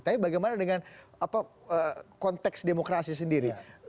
tapi bagaimana dengan konteks demokrasi sendiri